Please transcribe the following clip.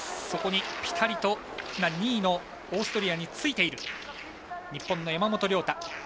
そこにぴたりと２位のオーストリアについている日本の山本涼太。